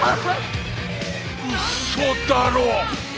うそだろ！